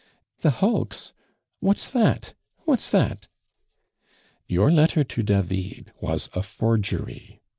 "The hulks! What's that? What's that?" "Your letter to David was a forgery.